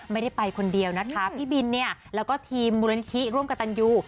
ไม่ได้ไปคนเดียวนะคะพี่บินเนี่ยแล้วก็ทีมมูลนิธิร่วมกับตันยู